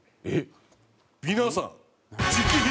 えっ！